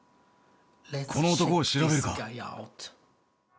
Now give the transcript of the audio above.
この男を調べるか。